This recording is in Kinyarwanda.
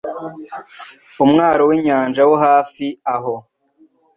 umwaro w'inyanja wo hafi aho,